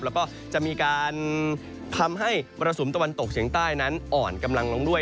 แล้วก็จะมีการทำให้มรสุมตะวันตกเฉียงใต้นั้นอ่อนกำลังลงด้วย